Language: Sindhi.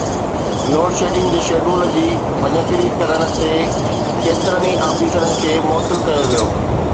لوڊشيڊنگ جي شيڊول جي ڀڃڪڙي ڪرڻ تي ڪيترن ئي آفيسرن کي معطل ڪيو ويو